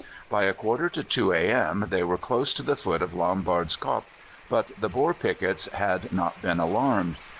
By a quarter to two a.m. they were close to the foot of Lombard's Kop, but the Boer pickets had not been alarmed.